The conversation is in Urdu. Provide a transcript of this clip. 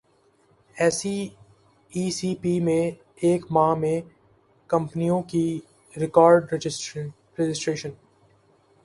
ایس ای سی پی میں ایک ماہ میں کمپنیوں کی ریکارڈرجسٹریشن